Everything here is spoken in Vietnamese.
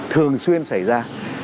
thường xuyên xảy ra